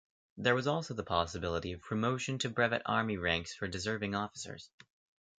There was also the possibility of promotion to brevet army ranks for deserving officers.